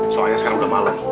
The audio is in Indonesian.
soalnya sekarang udah malem